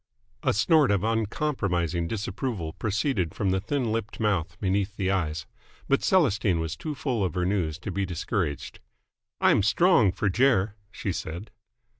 A snort of uncompromising disapproval proceeded from the thin lipped mouth beneath the eyes. But Celestine was too full of her news to be discouraged. "I'm strong fer Jer!" she said.